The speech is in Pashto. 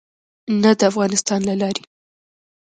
نه د افغانستان له لارې.